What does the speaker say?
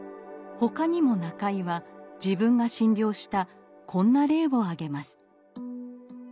他にも中井は自分が診療したこんな例を挙げます。